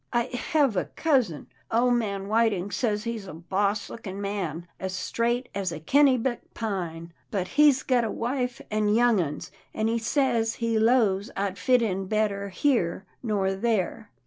" I hev a cousin — ole man Whiting says he's a boss lookin' man, as straight as a Kennebec pine, but he's gut a wife an' young ones, an' he says he 'lows I'd fit in better here nor there."